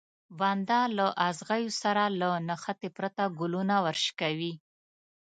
بنده له ازغيو سره له نښتې پرته ګلونه ورشکوي.